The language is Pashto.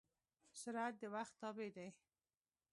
سرعت د وخت تابع دی.